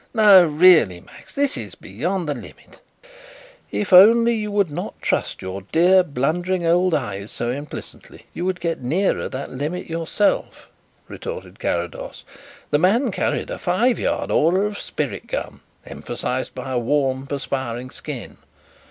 No, really, Max, this is beyond the limit!" "If only you would not trust your dear, blundering old eyes so implicitly you would get nearer that limit yourself," retorted Carrados. "The man carried a five yard aura of spirit gum, emphasized by a warm, perspiring skin.